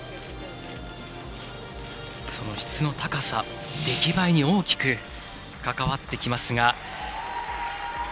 その質の高さ出来栄えに大きく関わってきますが。